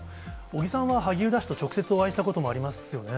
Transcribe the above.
尾木さんは萩生田氏と直接お会いしたこともありますよね。